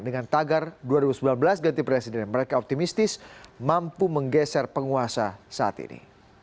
dengan tagar dua ribu sembilan belas ganti presiden mereka optimistis mampu menggeser penguasa saat ini